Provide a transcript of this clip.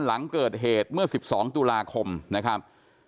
หลังเกิดเหตุเมื่อ๑๒ตุลาคมนะครับ